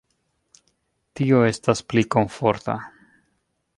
Tio estas pli komforta.